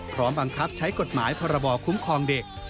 พร้อมบังคับใช้กฎหมายพรบคุ้มครองเด็ก